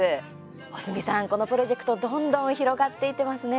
大隅さん、このプロジェクトどんどん広がっていってますね。